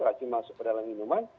rajin masuk ke dalam minuman